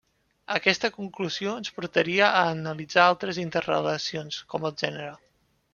Aquesta conclusió ens portaria a analitzar altres interrelacions com el gènere.